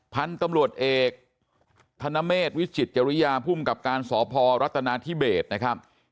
พันธุ์ตำรวจเอกธนเมษวิจิตจริยาภูมิกับการสพรัฐนาธิเบสนะครับ